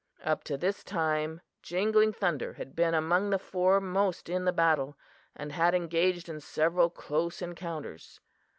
Up to this time Jingling Thunder had been among the foremost in the battle, and had engaged in several close encounters.